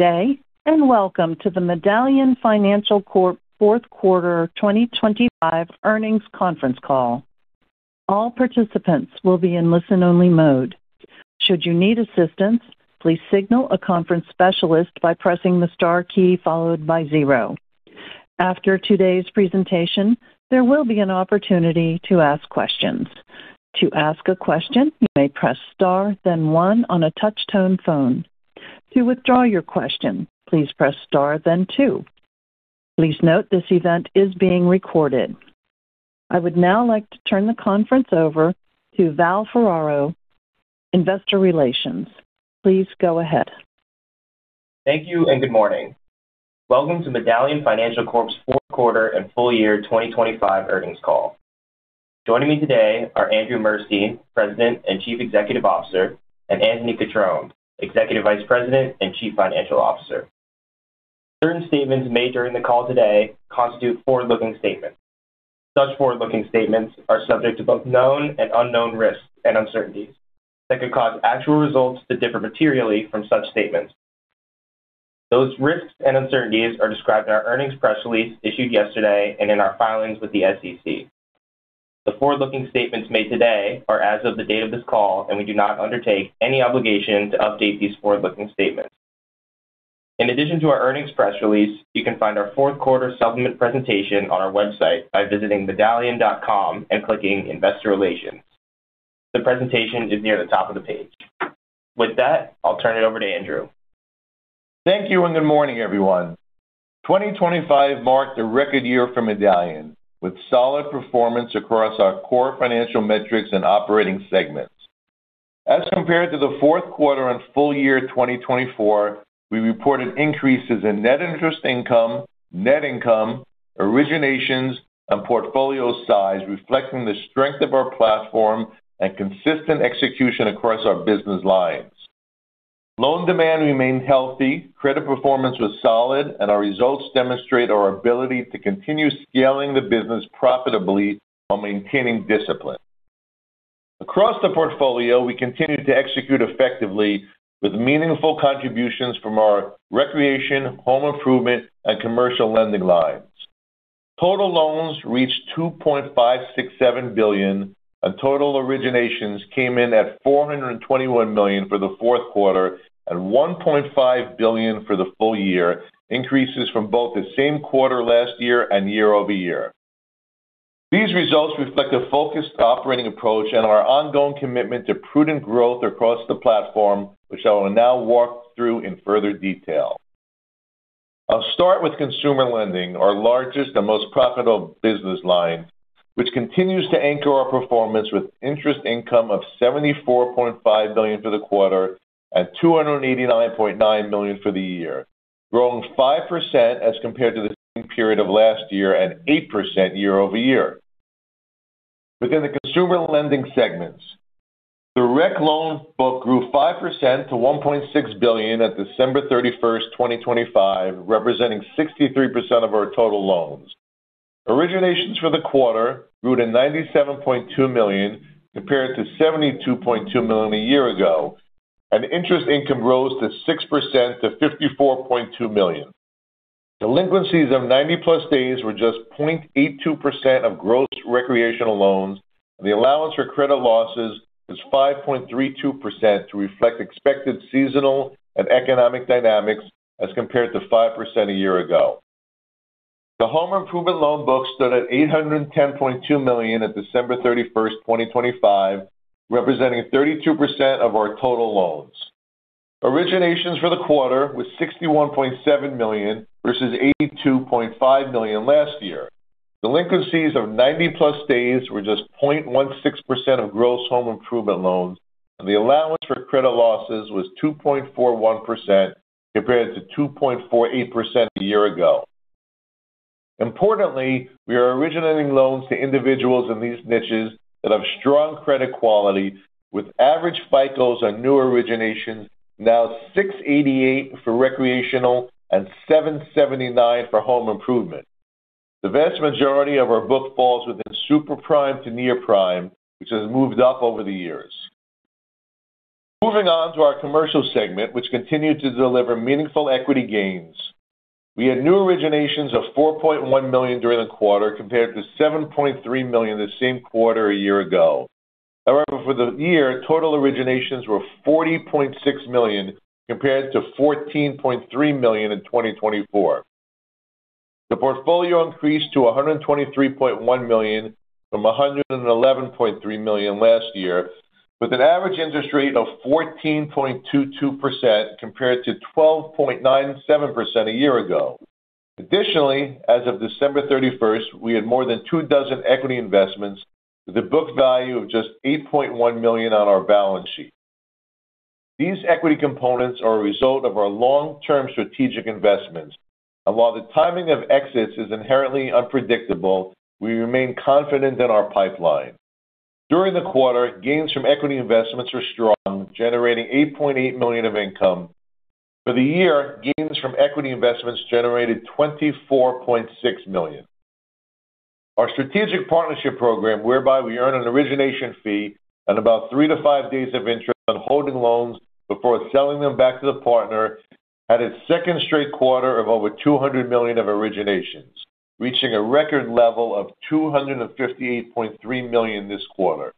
Good day, and welcome to the Medallion Financial Corp Fourth Quarter 2025 Earnings Conference Call. All participants will be in listen-only mode. Should you need assistance, please signal a conference specialist by pressing the star key followed by zero. After today's presentation, there will be an opportunity to ask questions. To ask a question, you may press star, then one on a touch-tone phone. To withdraw your question, please press star, then two. Please note, this event is being recorded. I would now like to turn the conference over to Val Ferraro, Investor Relations. Please go ahead. Thank you and good morning. Welcome to Medallion Financial Corp's fourth quarter and full year 2025 earnings call. Joining me today are Andrew Murstein, President and Chief Executive Officer, and Anthony Cutrone, Executive Vice President and Chief Financial Officer. Certain statements made during the call today constitute forward-looking statements. Such forward-looking statements are subject to both known and unknown risks and uncertainties that could cause actual results to differ materially from such statements. Those risks and uncertainties are described in our earnings press release issued yesterday and in our filings with the SEC. The forward-looking statements made today are as of the date of this call, and we do not undertake any obligation to update these forward-looking statements. In addition to our earnings press release, you can find our fourth quarter supplement presentation on our website by visiting medallion.com and clicking Investor Relations. The presentation is near the top of the page. With that, I'll turn it over to Andrew. Thank you and good morning, everyone. 2025 marked a record year for Medallion, with solid performance across our core financial metrics and operating segments. As compared to the fourth quarter and full year 2024, we reported increases in net interest income, net income, originations, and portfolio size, reflecting the strength of our platform and consistent execution across our business lines. Loan demand remained healthy, credit performance was solid, and our results demonstrate our ability to continue scaling the business profitably while maintaining discipline. Across the portfolio, we continued to execute effectively with meaningful contributions from our recreation, home improvement, and commercial lending lines. Total loans reached $2.567 billion, and total originations came in at $421 million for the fourth quarter and $1.5 billion for the full year, increases from both the same quarter last year and year-over-year. These results reflect a focused operating approach and our ongoing commitment to prudent growth across the platform, which I will now walk through in further detail. I'll start with consumer lending, our largest and most profitable business line, which continues to anchor our performance with interest income of $74.5 million for the quarter and $289.9 million for the year, growing 5% as compared to the same period of last year and 8% year-over-year. Within the consumer lending segments, the REC loan book grew 5% to $1.6 billion at December 31, 2025, representing 63% of our total loans. Originations for the quarter grew to $97.2 million, compared to $72.2 million a year ago, and interest income rose 6% to $54.2 million. Delinquencies of 90+ days were just 0.82% of gross recreational loans, and the allowance for credit losses was 5.32% to reflect expected seasonal and economic dynamics as compared to 5% a year ago. The home improvement loan book stood at $810.2 million at December 31, 2025, representing 32% of our total loans. Originations for the quarter was $61.7 million versus $82.5 million last year. Delinquencies of 90+ days were just 0.16% of gross home improvement loans, and the allowance for credit losses was 2.41%, compared to 2.48% a year ago. Importantly, we are originating loans to individuals in these niches that have strong credit quality, with average FICO scores and new originations now 688 for recreational and 779 for home improvement. The vast majority of our book falls within super prime to near prime, which has moved up over the years. Moving on to our commercial segment, which continued to deliver meaningful equity gains. We had new originations of $4.1 million during the quarter, compared to $7.3 million the same quarter a year ago. However, for the year, total originations were $40.6 million, compared to $14.3 million in 2024. The portfolio increased to $123.1 million from $111.3 million last year, with an average interest rate of 14.22% compared to 12.97% a year ago. Additionally, as of December 31, we had more than two dozen equity investments with a book value of just $8.1 million on our balance sheet. These equity components are a result of our long-term strategic investments and while the timing of exits is inherently unpredictable, we remain confident in our pipeline. During the quarter, gains from equity investments were strong, generating $8.8 million of income. For the year, gains from equity investments generated $24.6 million. Our Strategic Partnership Program, whereby we earn an origination fee and about 3-5 days of interest on holding loans before selling them back to the partner, had its second straight quarter of over $200 million of originations, reaching a record level of $258.3 million this quarter.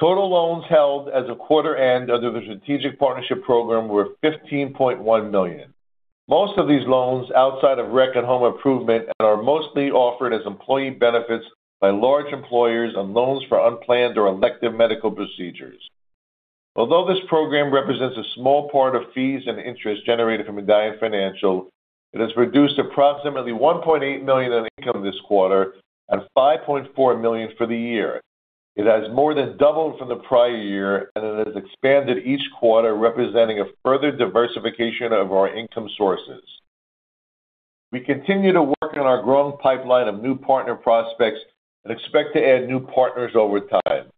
Total loans held as of quarter end under the Strategic Partnership Program were $15.1 million. Most of these loans outside of REC and home improvement, and are mostly offered as employee benefits by large employers on loans for unplanned or elective medical procedures. Although this program represents a small part of fees and interest generated from Medallion Financial, it has reduced approximately $1.8 million in income this quarter and $5.4 million for the year. It has more than doubled from the prior year, and it has expanded each quarter, representing a further diversification of our income sources. We continue to work on our growing pipeline of new partner prospects and expect to add new partners over time.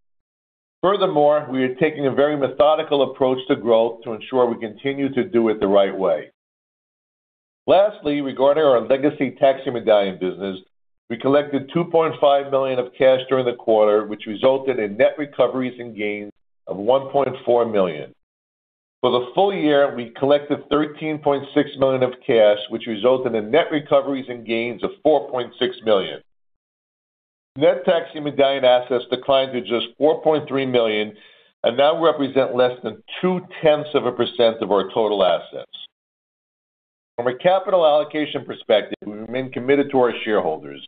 Furthermore, we are taking a very methodical approach to growth to ensure we continue to do it the right way. Lastly, regarding our legacy Taxi Medallion business, we collected $2.5 million of cash during the quarter, which resulted in net recoveries and gains of $1.4 million. For the full year, we collected $13.6 million of cash, which resulted in net recoveries and gains of $4.6 million. Net Taxi Medallion assets declined to just $4.3 million and now represent less than 0.2% of our total assets. From a capital allocation perspective, we remain committed to our shareholders.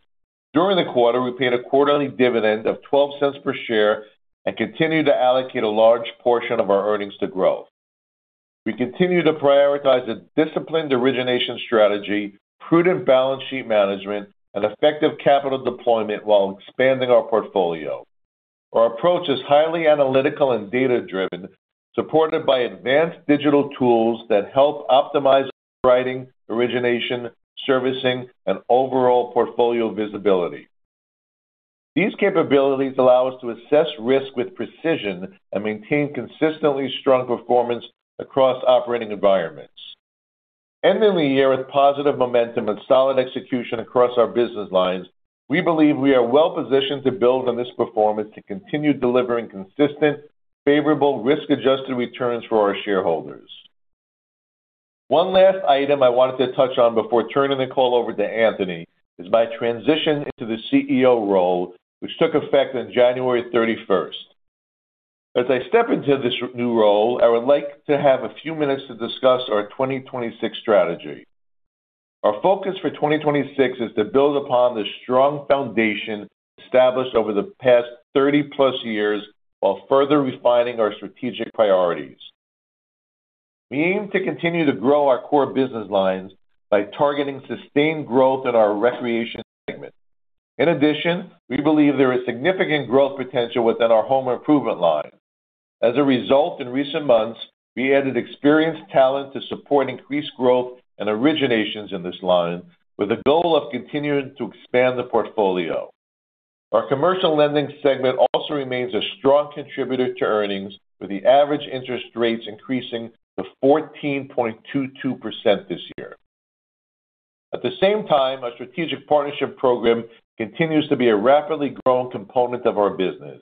During the quarter, we paid a quarterly dividend of $0.12 per share and continued to allocate a large portion of our earnings to growth. We continue to prioritize a disciplined origination strategy, prudent balance sheet management, and effective capital deployment while expanding our portfolio. Our approach is highly analytical and data-driven, supported by advanced digital tools that help optimize underwriting, origination, servicing, and overall portfolio visibility. These capabilities allow us to assess risk with precision and maintain consistently strong performance across operating environments. Ending the year with positive momentum and solid execution across our business lines, we believe we are well positioned to build on this performance to continue delivering consistent, favorable, risk-adjusted returns for our shareholders. One last item I wanted to touch on before turning the call over to Anthony, is my transition into the CEO role, which took effect on January 31st. As I step into this new role, I would like to have a few minutes to discuss our 2026 strategy. Our focus for 2026 is to build upon the strong foundation established over the past 30+ years, while further refining our strategic priorities. We aim to continue to grow our core business lines by targeting sustained growth in our recreation segment. In addition, we believe there is significant growth potential within our home improvement line. As a result, in recent months, we added experienced talent to support increased growth and originations in this line, with a goal of continuing to expand the portfolio. Our commercial lending segment also remains a strong contributor to earnings, with the average interest rates increasing to 14.22% this year. At the same time, our Strategic Partnership Program continues to be a rapidly growing component of our business.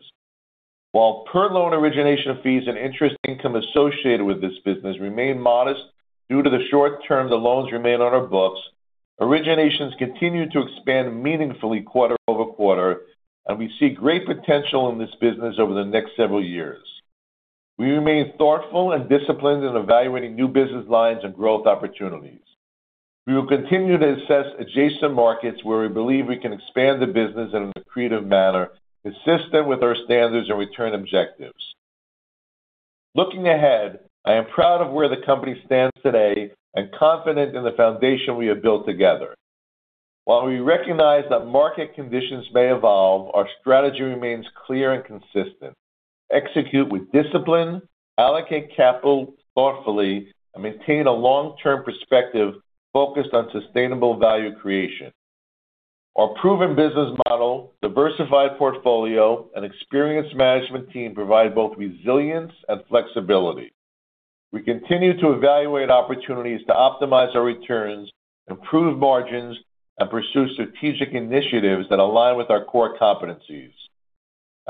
While per loan origination fees and interest income associated with this business remain modest due to the short term the loans remain on our books, originations continue to expand meaningfully quarter-over-quarter, and we see great potential in this business over the next several years. We remain thoughtful and disciplined in evaluating new business lines and growth opportunities. We will continue to assess adjacent markets where we believe we can expand the business in an accretive manner, consistent with our standards and return objectives. Looking ahead, I am proud of where the company stands today and confident in the foundation we have built together. While we recognize that market conditions may evolve, our strategy remains clear and consistent. Execute with discipline, allocate capital thoughtfully, and maintain a long-term perspective focused on sustainable value creation. Our proven business model, diversified portfolio, and experienced management team provide both resilience and flexibility. We continue to evaluate opportunities to optimize our returns, improve margins, and pursue strategic initiatives that align with our core competencies.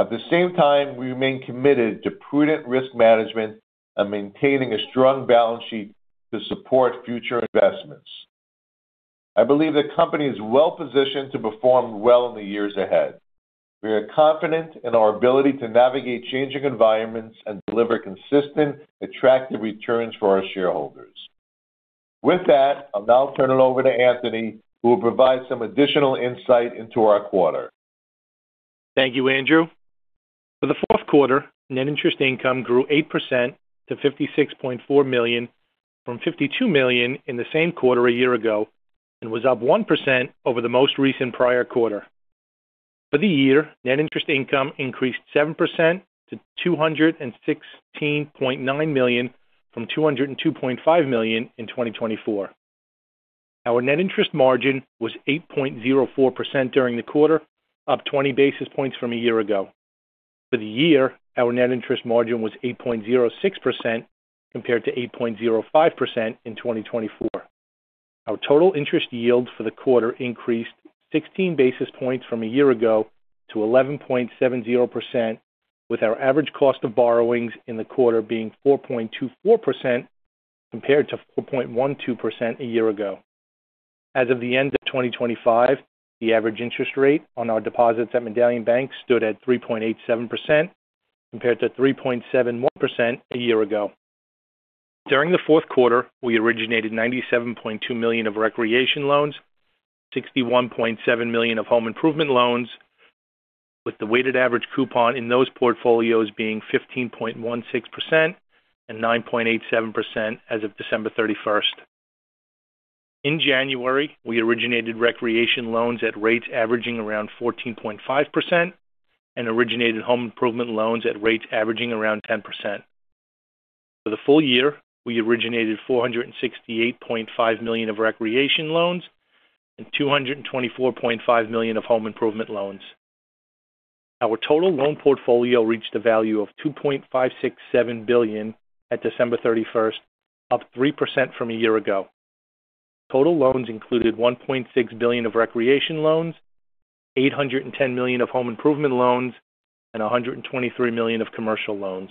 At the same time, we remain committed to prudent risk management and maintaining a strong balance sheet to support future investments. I believe the company is well positioned to perform well in the years ahead. We are confident in our ability to navigate changing environments and deliver consistent, attractive returns for our shareholders. With that, I'll now turn it over to Anthony, who will provide some additional insight into our quarter. Thank you, Andrew. For the fourth quarter, net interest income grew 8% to $56.4 million from $52 million in the same quarter a year ago and was up 1% over the most recent prior quarter. For the year, net interest income increased 7% to $216.9 million from $202.5 million in 2024. Our net interest margin was 8.04% during the quarter, up 20 basis points from a year ago. For the year, our net interest margin was 8.06%, compared to 8.05% in 2024. Our total interest yield for the quarter increased 16 basis points from a year ago to 11.70%, with our average cost of borrowings in the quarter being 4.24% compared to 4.12% a year ago. As of the end of 2025, the average interest rate on our deposits at Medallion Bank stood at 3.87%, compared to 3.71% a year ago. During the fourth quarter, we originated $97.2 million of recreation loans, $61.7 million of home improvement loans, with the weighted average coupon in those portfolios being 15.16% and 9.87% as of December 31. In January, we originated recreation loans at rates averaging around 14.5% and originated home improvement loans at rates averaging around 10%. For the full year, we originated $468.5 million of recreation loans and $224.5 million of home improvement loans. Our total loan portfolio reached a value of $2.567 billion at December thirty-first, up 3% from a year ago. Total loans included $1.6 billion of recreation loans, $810 million of home improvement loans, and $123 million of commercial loans.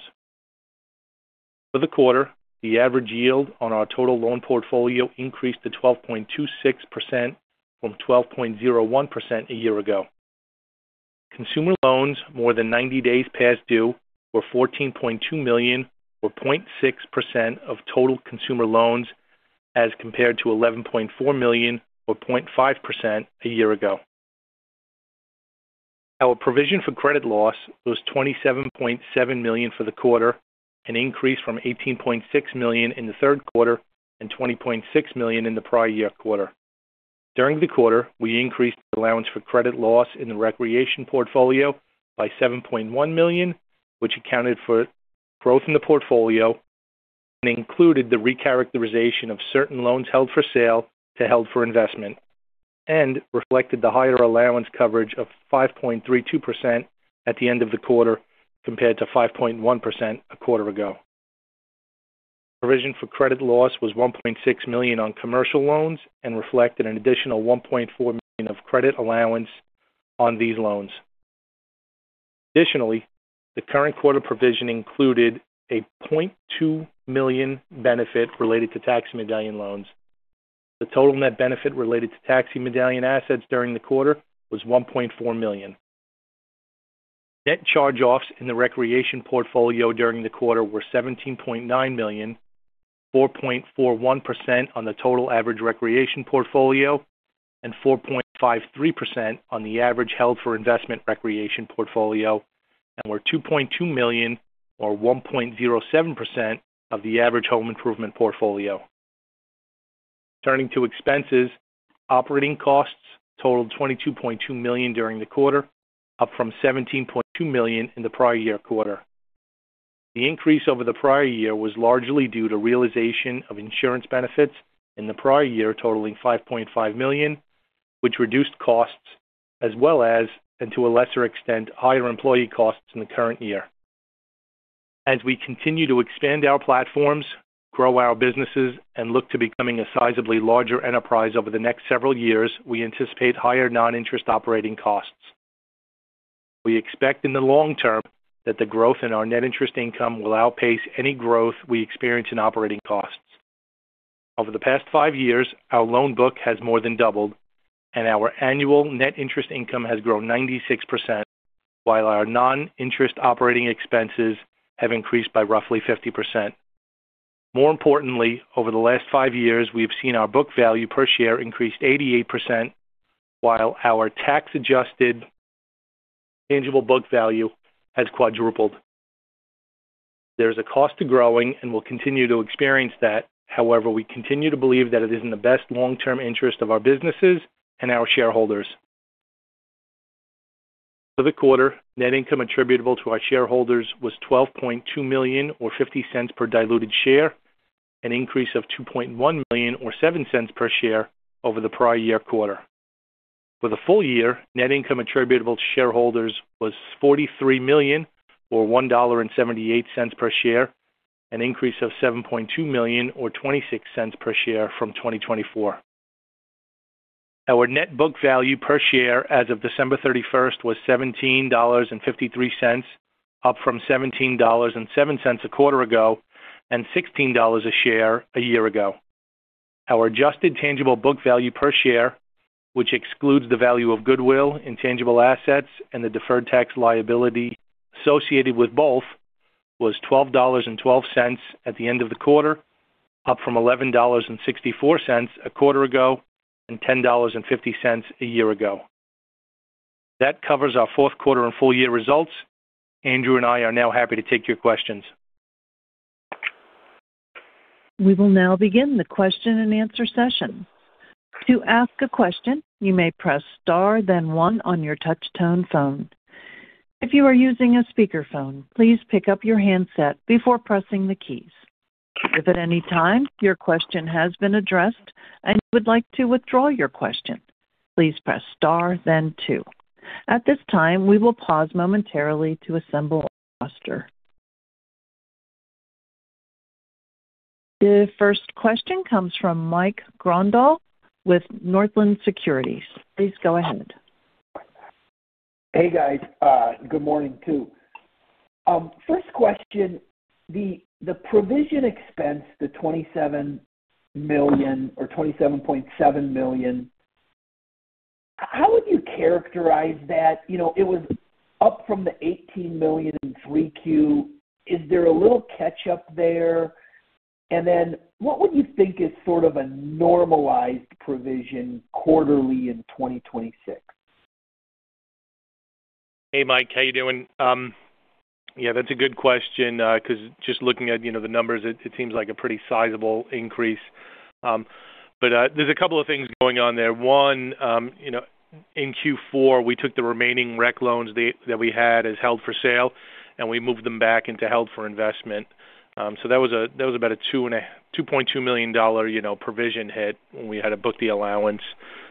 For the quarter, the average yield on our total loan portfolio increased to 12.26% from 12.01% a year ago. Consumer loans more than 90 days past due were $14.2 million, or 0.6% of total consumer loans, as compared to $11.4 million, or 0.5% a year ago. Our provision for credit loss was $27.7 million for the quarter, an increase from $18.6 million in the third quarter and $20.6 million in the prior year quarter. During the quarter, we increased the allowance for credit loss in the recreation portfolio by $7.1 million, which accounted for growth in the portfolio and included the recharacterization of certain loans held for sale to held for investment and reflected the higher allowance coverage of 5.32% at the end of the quarter, compared to 5.1% a quarter ago. Provision for credit loss was $1.6 million on commercial loans and reflected an additional $1.4 million of credit allowance on these loans. Additionally, the current quarter provision included a $0.2 million benefit related to taxi medallion loans. The total net benefit related to taxi medallion assets during the quarter was $1.4 million. Net charge-offs in the recreation portfolio during the quarter were $17.9 million, 4.41% on the total average recreation portfolio and 4.53% on the average held for investment recreation portfolio and were $2.2 million, or 1.07% of the average home improvement portfolio. Turning to expenses, operating costs totaled $22.2 million during the quarter, up from $17.2 million in the prior year quarter. The increase over the prior year was largely due to realization of insurance benefits in the prior year, totaling $5.5 million, which reduced costs as well as, and to a lesser extent, higher employee costs in the current year. As we continue to expand our platforms, grow our businesses, and look to becoming a sizably larger enterprise over the next several years, we anticipate higher non-interest operating costs. We expect in the long term that the growth in our net interest income will outpace any growth we experience in operating costs. Over the past five years, our loan book has more than doubled, and our annual net interest income has grown 96%, while our non-interest operating expenses have increased by roughly 50%. More importantly, over the last five years, we've seen our book value per share increase 88%, while our tax-adjusted tangible book value has quadrupled. There's a cost to growing, and we'll continue to experience that. However, we continue to believe that it is in the best long-term interest of our businesses and our shareholders. For the quarter, net income attributable to our shareholders was $12.2 million, or $0.50 per diluted share, an increase of $2.1 million or $0.07 per share over the prior year quarter. For the full year, net income attributable to shareholders was $43 million, or $1.78 per share, an increase of $7.2 million, or $0.26 per share from 2024. Our net book value per share as of December 31 was $17.53, up from $17.07 a quarter ago and $16 a share a year ago. Our adjusted tangible book value per share, which excludes the value of goodwill, intangible assets, and the deferred tax liability associated with both, was $12.12 at the end of the quarter, up from $11.64 a quarter ago and $10.50 a year ago. That covers our fourth quarter and full-year results. Andrew and I are now happy to take your questions. We will now begin the question-and-answer session. To ask a question, you may press Star, then one on your touchtone phone. If you are using a speakerphone, please pick up your handset before pressing the keys. If at any time your question has been addressed and you would like to withdraw your question, please press Star, then two. At this time, we will pause momentarily to assemble our roster. The first question comes from Mike Grondahl with Northland Securities. Please go ahead. Hey, guys. Good morning, too. First question, the provision expense, the $27 million or $27.7 million, how would you characterize that? You know, it was up from the $18 million in Q3. Is there a little catch-up there? Then what would you think is sort of a normalized provision quarterly in 2026? Hey, Mike. How you doing? Yeah, that's a good question, because just looking at, you know, the numbers, it seems like a pretty sizable increase. But, there's a couple of things going on there. One, you know, in Q4, we took the remaining REC loans that we had as held for sale, and we moved them back into held for investment. So that was about $2.2 million-dollar, you know, provision hit when we had to book the allowance. You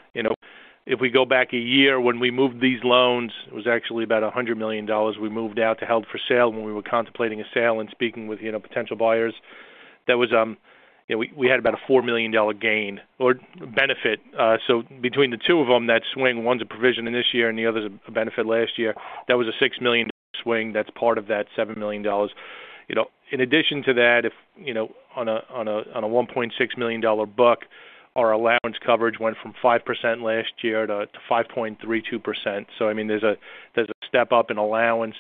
know, if we go back a year when we moved these loans, it was actually about $100 million we moved out to held for sale when we were contemplating a sale and speaking with, you know, potential buyers. That was, you know, we had about a $4 million gain or benefit. So between the two of them, that swing, one's a provision in this year and the other's a benefit last year, that was a $6 million swing. That's part of that $7 million. You know, in addition to that, if you know, on a $1.6 million book, our allowance coverage went from 5% last year to 5.32%. So I mean, there's a step up in allowance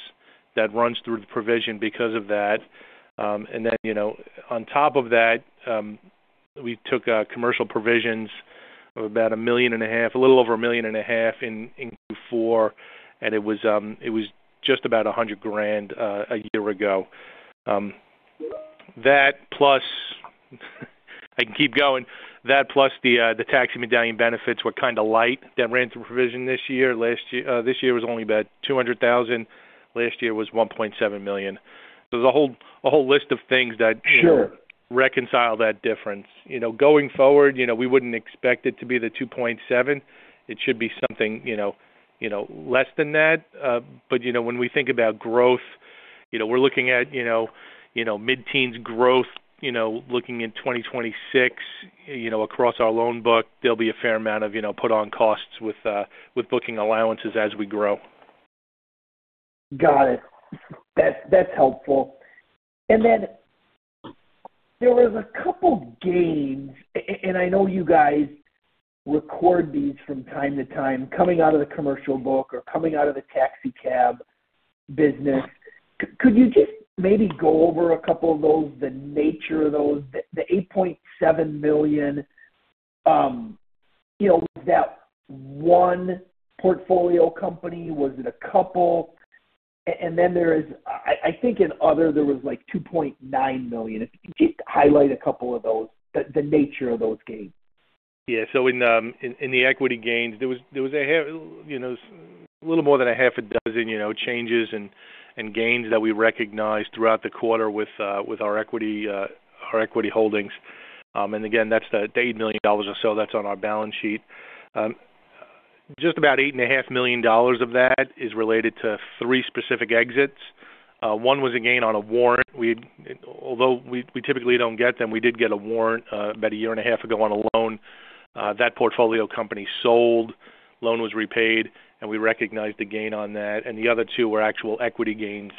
that runs through the provision because of that. Then, you know, on top of that, we took commercial provisions of about $1.5 million, a little over $1.5 million in Q4, and it was just about $100,000 a year ago. That plus, I can keep going. That plus the taxi medallion benefits were kind of light. That ran through provision this year. Last year, this year was only about $200,000. Last year was $1.7 million. So there's a whole list of things that- Sure. Reconcile that difference. You know, going forward, you know, we wouldn't expect it to be the 2.7. It should be something, you know, you know, less than that. But, you know, when we think about growth, you know, we're looking at, you know, you know, mid-teens growth, you know, looking in 2026. You know, across our loan book, there'll be a fair amount of, you know, put on costs with, with booking allowances as we grow. Got it. That's, that's helpful. Then there was a couple gains, and I know you guys record these from time to time, coming out of the commercial book or coming out of the taxicab business. Could you just maybe go over a couple of those, the nature of those? The, the $8.7 million, you know, was that one portfolio company? Was it a couple? Then there is, I think in other, there was like $2.9 million. If you could just highlight a couple of those, the, the nature of those gains. Yeah. So in the equity gains, there was a little more than half a dozen, you know, changes and gains that we recognized throughout the quarter with our equity holdings. Again, that's the $8 million or so that's on our balance sheet. Just about $8.5 million of that is related to three specific exits. One was a gain on a warrant. Although we typically don't get them, we did get a warrant about a year and a half ago on a loan. That portfolio company sold, loan was repaid, and we recognized a gain on that, and the other two were actual equity gains.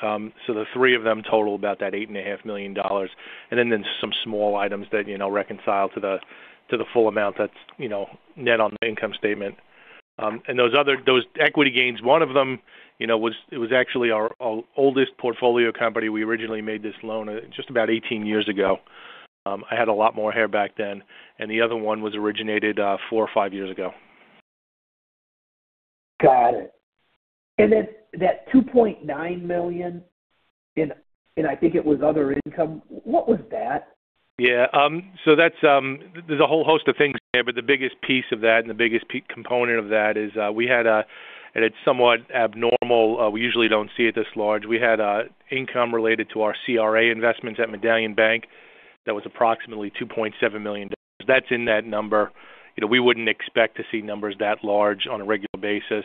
So the three of them totaled about that $8.5 million, and then some small items that, you know, reconcile to the full amount that's, you know, net on the income statement. Those other— those equity gains, one of them, you know, was. It was actually our oldest portfolio company. We originally made this loan just about 18 years ago. I had a lot more hair back then, and the other one was originated 4 or 5 years ago. Got it. Then that $2.9 million, and, and I think it was other income. What was that? Yeah, so that's, there's a whole host of things there, but the biggest piece of that and the biggest component of that is, we had, and it's somewhat abnormal. We usually don't see it this large. We had an income related to our CRA investments at Medallion Bank that was approximately $2.7 million. That's in that number. You know, we wouldn't expect to see numbers that large on a regular basis.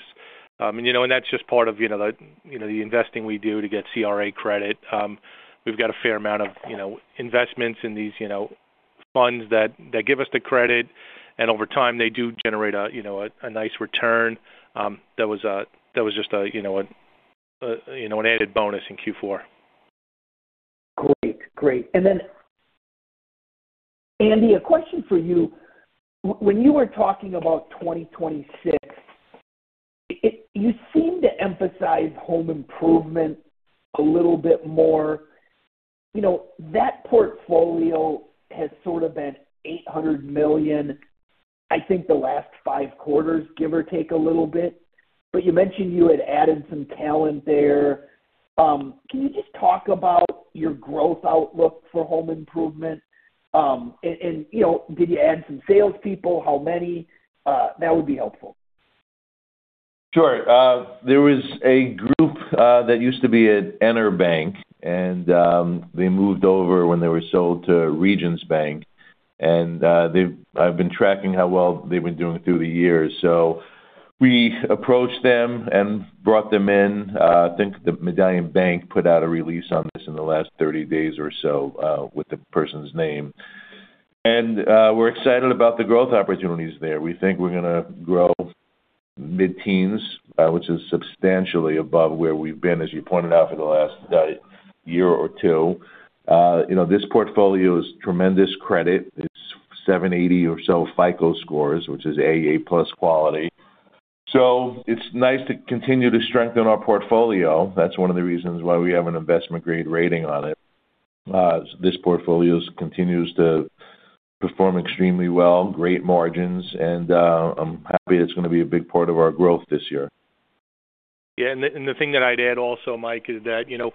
You know, and that's just part of the investing we do to get CRA credit. We've got a fair amount of investments in these funds that give us the credit, and over time, they do generate a nice return. That was just a, you know, an added bonus in Q4. Great. Great. Then, Andy, a question for you. When you were talking about 2026, it, you seemed to emphasize home improvement a little bit more. You know, that portfolio has sort of been $800 million, I think the last five quarters, give or take a little bit. But you mentioned you had added some talent there. Can you just talk about your growth outlook for home improvement? You know, did you add some salespeople? How many? That would be helpful. Sure. There was a group that used to be at EnerBank, and they moved over when they were sold to Regions Bank. They've. I've been tracking how well they've been doing through the years. So we approached them and brought them in. I think the Medallion Bank put out a release on this in the last 30 days or so, with the person's name. We're excited about the growth opportunities there. We think we're going to grow mid-teens, which is substantially above where we've been, as you pointed out, for the last year or two. You know, this portfolio is tremendous credit. It's 780 or so FICO scores, which is AA plus quality. So it's nice to continue to strengthen our portfolio. That's one of the reasons why we have an investment-grade rating on it. This portfolio continues to perform extremely well, great margins, and I'm happy it's going to be a big part of our growth this year. Yeah, the thing that I'd add also, Mike, is that, you know,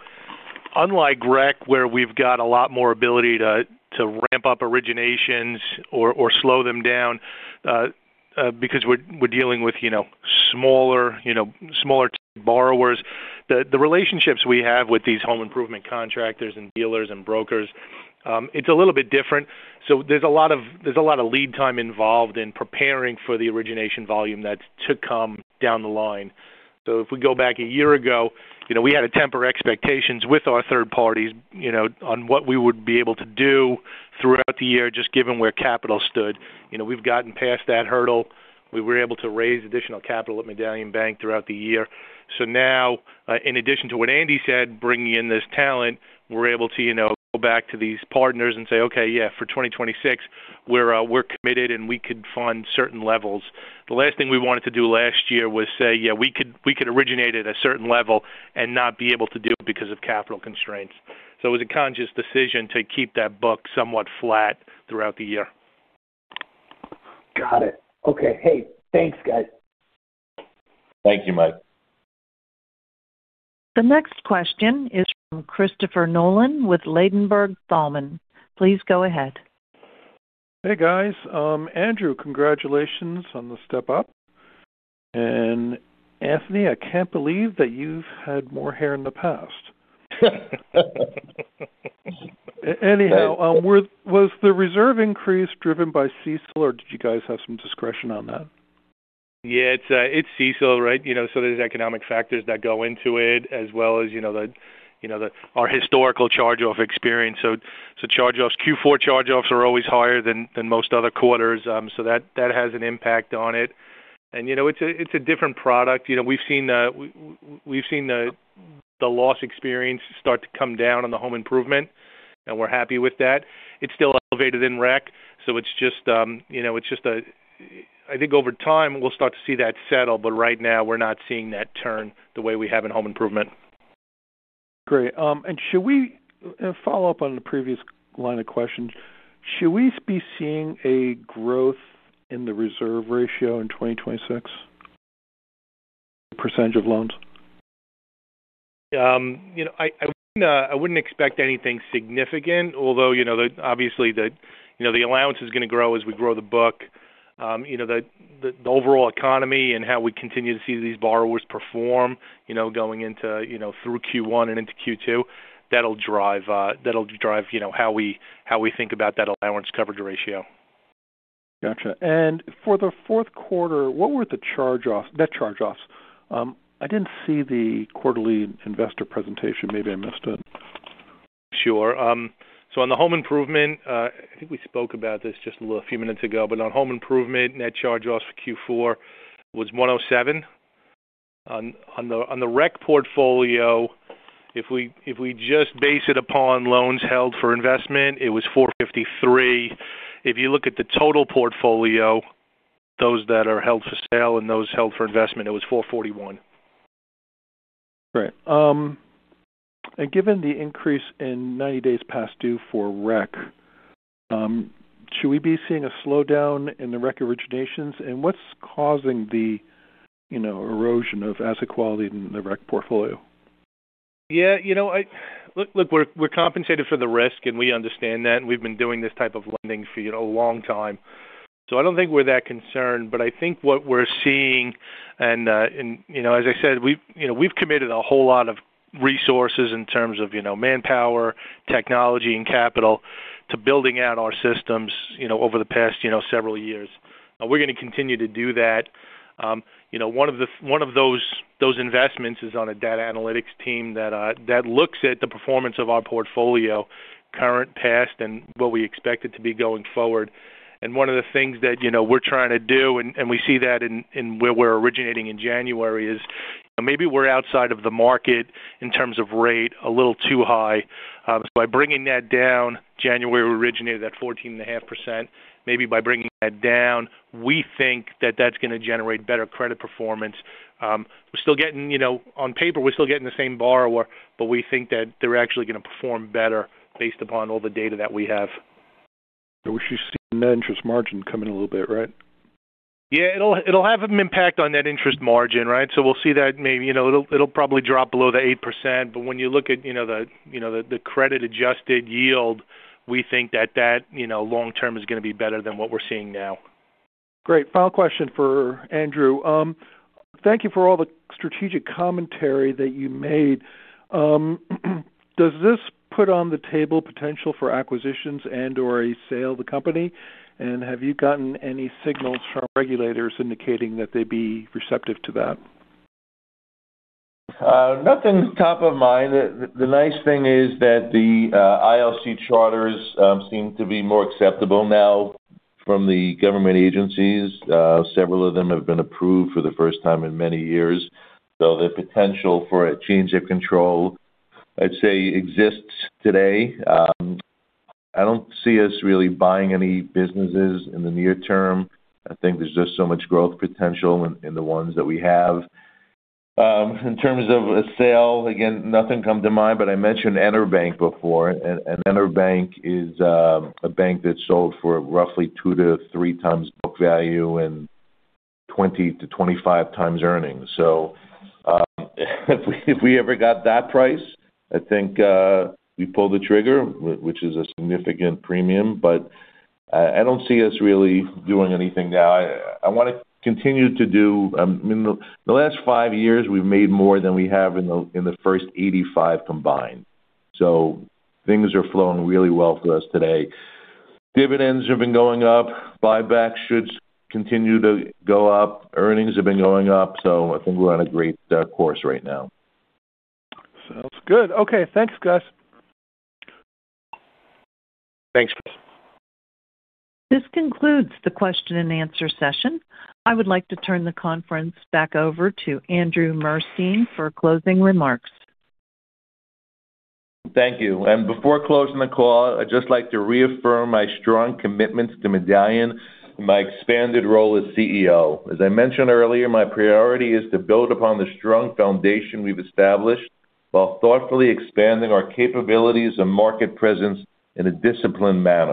unlike REC, where we've got a lot more ability to ramp up originations or slow them down, because we're dealing with, you know, smaller borrowers. The relationships we have with these home improvement contractors and dealers and brokers, it's a little bit different. So there's a lot of lead time involved in preparing for the origination volume that's to come down the line. So if we go back a year ago, you know, we had to temper expectations with our third parties, you know, on what we would be able to do throughout the year, just given where capital stood. You know, we've gotten past that hurdle. We were able to raise additional capital at Medallion Bank throughout the year. So now, in addition to what Andy said, bringing in this talent, we're able to, you know, go back to these partners and say, "Okay, yeah, for 2026, we're, we're committed, and we could fund certain levels." The last thing we wanted to do last year was say, yeah, we could, we could originate at a certain level and not be able to do it because of capital constraints. So it was a conscious decision to keep that book somewhat flat throughout the year. Got it. Okay. Hey, thanks, guys. Thank you, Mike. The next question is from Christopher Nolan with Ladenburg Thalmann. Please go ahead. Hey, guys. Andrew, congratulations on the step up. And, Anthony, I can't believe that you've had more hair in the past. Anyhow, was the reserve increase driven by CECL, or did you guys have some discretion on that? Yeah, it's CECL, right? You know, so there's economic factors that go into it, as well as, you know, the, you know, the our historical charge-off experience. So charge-offs, Q4 charge-offs are always higher than most other quarters. So that has an impact on it. And, you know, it's a different product. You know, we've seen we've seen the loss experience start to come down on the home improvement, and we're happy with that. It's still elevated in REC, so it's just, you know, it's just a, I think over time, we'll start to see that settle, but right now, we're not seeing that turn the way we have in home improvement. Great, and should we follow up on the previous line of questions. Should we be seeing a growth in the reserve ratio in 2026, percentage of loans? You know, I wouldn't expect anything significant, although, you know, obviously, the allowance is going to grow as we grow the book. You know, the overall economy and how we continue to see these borrowers perform, you know, going into, you know, through Q1 and into Q2, that'll drive, you know, how we think about that allowance coverage ratio. Gotcha. For the fourth quarter, what were the charge-offs, net charge-offs? I didn't see the quarterly investor presentation. Maybe I missed it. Sure. So on the home improvement, I think we spoke about this just a little few minutes ago, but on home improvement, net charge-offs for Q4 was 107. On the REC portfolio, if we just base it upon loans held for investment, it was 453. If you look at the total portfolio, those that are held for sale and those held for investment, it was 441. Great. Given the increase in 90 days past due for REC, should we be seeing a slowdown in the REC originations, and what's causing the, you know, erosion of asset quality in the REC portfolio? Yeah, you know, look, look, we're, we're compensated for the risk, and we understand that, and we've been doing this type of lending for, you know, a long time. So I don't think we're that concerned. But I think what we're seeing, and, and you know, as I said, we've, you know, we've committed a whole lot of resources in terms of, you know, manpower, technology, and capital to building out our systems, you know, over the past, you know, several years. We're going to continue to do that. You know, one of those, those investments is on a data analytics team that, that looks at the performance of our portfolio, current, past, and what we expect it to be going forward. One of the things that, you know, we're trying to do, and we see that in where we're originating in January, is maybe we're outside of the market in terms of rate, a little too high. So by bringing that down, January, we originated at 14.5%. Maybe by bringing that down, we think that that's going to generate better credit performance. We're still getting, you know, on paper, we're still getting the same borrower, but we think that they're actually going to perform better based upon all the data that we have. We should see Net Interest Margin come in a little bit, right? Yeah, it'll have an impact on net interest margin, right? So we'll see that maybe, you know, it'll probably drop below the 8%, but when you look at, you know, the credit adjusted yield, we think that, you know, long term is going to be better than what we're seeing now. Great. Final question for Andrew. Thank you for all the strategic commentary that you made. Does this put on the table potential for acquisitions and/or a sale of the company? Have you gotten any signals from regulators indicating that they'd be receptive to that? Nothing's top of mind. The nice thing is that the ILC charters seem to be more acceptable now from the government agencies. Several of them have been approved for the first time in many years. So the potential for a change of control, I'd say, exists today. I don't see us really buying any businesses in the near term. I think there's just so much growth potential in the ones that we have. In terms of a sale, again, nothing comes to mind, but I mentioned EnerBank before. And EnerBank is a bank that sold for roughly 2-3 times book value and 20-25 times earnings. So, if we ever got that price, I think we'd pull the trigger, which is a significant premium. But, I don't see us really doing anything now. I want to continue to do. In the last 5 years, we've made more than we have in the first 85 combined. So things are flowing really well for us today. Dividends have been going up. Buybacks should continue to go up. Earnings have been going up, so I think we're on a great course right now. Sounds good. Okay, thanks, guys. Thanks. This concludes the question and answer session. I would like to turn the conference back over to Andrew Murstein for closing remarks. Thank you. Before closing the call, I'd just like to reaffirm my strong commitments to Medallion and my expanded role as CEO. As I mentioned earlier, my priority is to build upon the strong foundation we've established, while thoughtfully expanding our capabilities and market presence in a disciplined manner.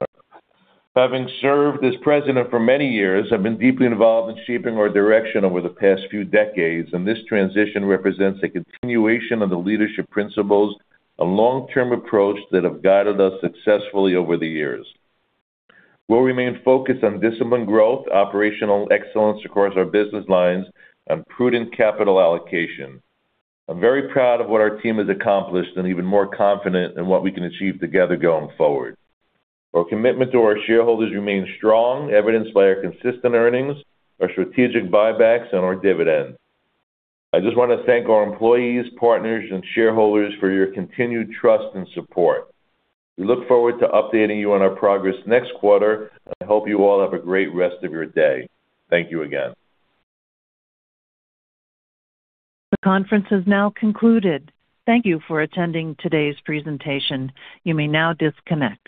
Having served as president for many years, I've been deeply involved in shaping our direction over the past few decades, and this transition represents a continuation of the leadership principles, a long-term approach that have guided us successfully over the years. We'll remain focused on disciplined growth, operational excellence across our business lines, and prudent capital allocation. I'm very proud of what our team has accomplished and even more confident in what we can achieve together going forward. Our commitment to our shareholders remains strong, evidenced by our consistent earnings, our strategic buybacks, and our dividends. I just want to thank our employees, partners, and shareholders for your continued trust and support. We look forward to updating you on our progress next quarter. I hope you all have a great rest of your day. Thank you again. The conference is now concluded. Thank you for attending today's presentation. You may now disconnect.